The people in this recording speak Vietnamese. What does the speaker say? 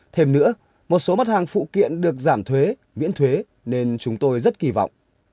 thêm nữa một số mặt hàng phụ kiện được giảm thuế viễn thuế nên chúng tôi rất kỳ vọng